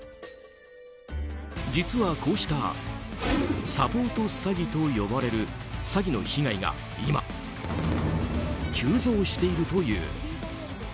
実は、こうしたサポート詐欺と呼ばれる詐欺の被害が今、急増しているという。